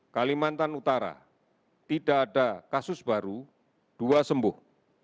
kalimantan utara tidak ada kasus baru dua sembuh